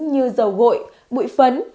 như dầu gội bụi phấn